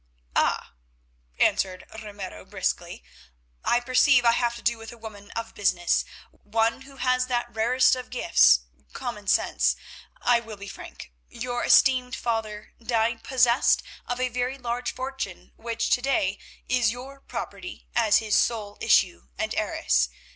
"Ah!" answered Ramiro briskly, "I perceive I have to do with a woman of business, one who has that rarest of gifts—common sense. I will be frank. Your esteemed father died possessed of a very large fortune, which to day is your property as his sole issue and heiress.